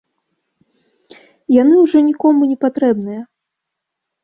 Яны ўжо нікому не патрэбныя.